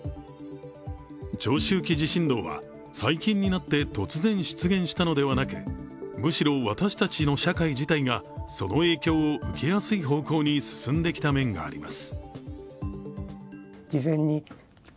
長周期地震動は最近になって突然出現したのではなく、むしろ私たちの社会自体がその影響を受けやすい方向に進んできた面があります。